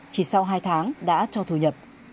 chỉ sau hai tháng đã cho thu nhập